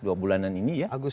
agustus tanggal ya